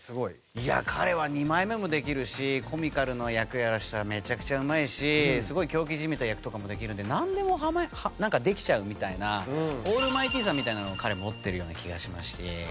いや彼は二枚目もできるしコミカルな役やらせたらめちゃくちゃうまいしすごい狂気じみた役とかもできるのでなんでもできちゃうみたいなオールマイティーさみたいなのを彼持ってるような気がしまして。